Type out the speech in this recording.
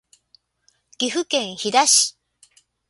岐阜県飛騨市